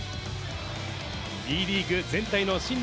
Ｂリーグ全体の新年